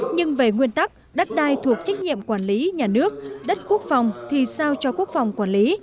nhưng về nguyên tắc đất đai thuộc trách nhiệm quản lý nhà nước đất quốc phòng thì sao cho quốc phòng quản lý